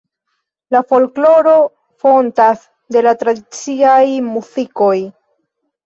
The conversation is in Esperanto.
La folkloro fontas de la tradiciaj muzikoj.